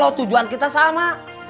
kalo tujuan kita sama